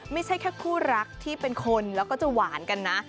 ไม่ใช่แค่คู่รักที่เป็นคนแล้วก็จะหวานกันนะ